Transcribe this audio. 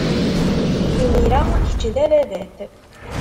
Imir-a, kečč d ababat.